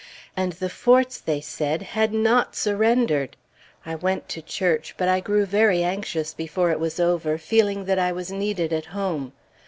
And the Forts, they said, had not surrendered. I went to church; but I grew very anxious before it was over, feeling that I was needed at home.